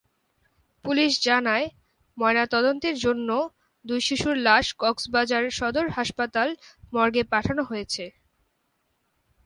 Police জানায়, ময়নাতদন্তের জন্য দুই শিশুর লাশ কক্সবাজার সদর হাসপাতাল মর্গে পাঠানো হয়েছে।